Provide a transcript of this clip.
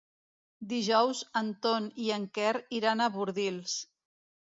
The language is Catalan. Dijous en Ton i en Quer iran a Bordils.